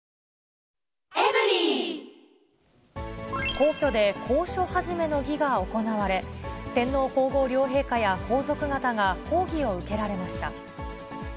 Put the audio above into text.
皇居で、講書始の儀が行われ、天皇皇后両陛下や皇族方が講義を受けられました。